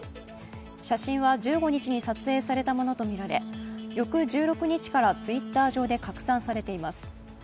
写真は１５日に撮影されたものとみられ翌１６日からＴｗｉｔｔｅｒ上で拡散されています。